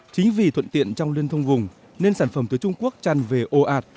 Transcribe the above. chính vì thuận tiện trong liên thông vùng nên sản phẩm từ trung quốc tràn về ồ ạt